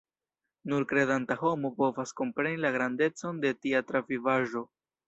Nur kredanta homo povas kompreni la grandecon de tia travivaĵo.